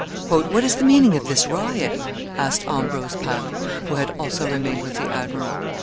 "What is the meaning of this riot?" asked Ambrose Pare, who had also remained with the admiral.